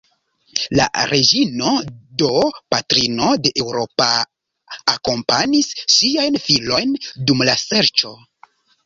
La reĝino, do patrino de Eŭropa, akompanis siajn filojn dum la serĉo.